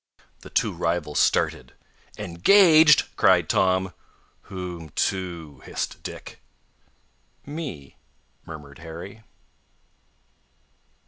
The two rivals started. "Engaged!" cried Tom. "Whom to?" hissed Dick. "Me," murmured Harry.